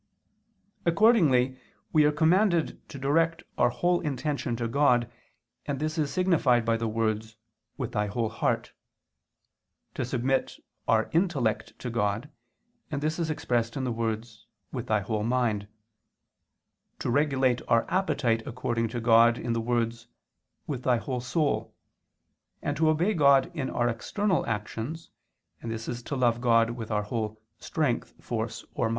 Accordingly we are commanded to direct our whole intention to God, and this is signified by the words "with thy whole heart"; to submit our intellect to God, and this is expressed in the words "with thy whole mind"; to regulate our appetite according to God, in the words "with thy whole soul"; and to obey God in our external actions, and this is to love God with our whole "strength," "force" or "might."